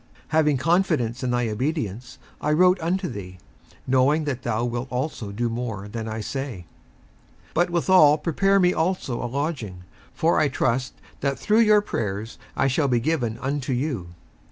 57:001:021 Having confidence in thy obedience I wrote unto thee, knowing that thou wilt also do more than I say. 57:001:022 But withal prepare me also a lodging: for I trust that through your prayers I shall be given unto you.